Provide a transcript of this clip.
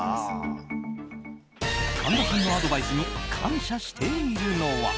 神田さんのアドバイスに感謝しているのは。